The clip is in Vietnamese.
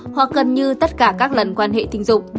hoặc gần như tất cả các lần quan hệ tình dục